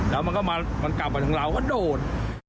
แล้วมันกลับมาทางเราก็โดด